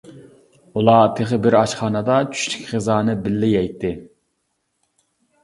ئۇلار تېخى بىر ئاشخانىدا چۈشلۈك غىزانى بىللە يەيتتى.